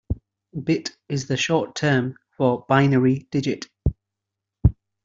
Bit is the short term for binary digit.